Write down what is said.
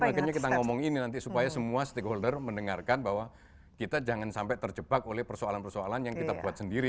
makanya kita ngomong ini nanti supaya semua stakeholder mendengarkan bahwa kita jangan sampai terjebak oleh persoalan persoalan yang kita buat sendiri